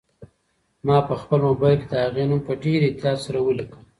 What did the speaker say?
ما په خپل موبایل کې د هغې نوم په ډېر احتیاط سره ولیکه.